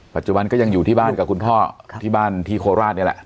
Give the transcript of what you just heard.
ปัจจุบันก็ยังอยู่ที่บ้านกับคุณพ่อที่บ้านที่โคราชนี่แหละ